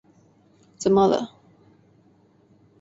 怎么了？